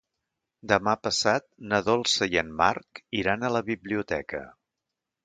Demà passat na Dolça i en Marc iran a la biblioteca.